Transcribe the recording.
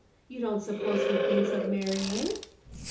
You don't suppose he thinks of marrying